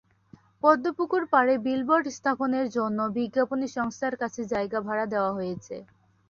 পদ্মপুকুর পাড়ে বিলবোর্ড স্থাপনের জন্য বিজ্ঞাপনী সংস্থার কাছে জায়গা ভাড়া দেওয়া হয়েছে।